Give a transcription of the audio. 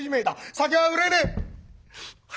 酒は売れねえ！」。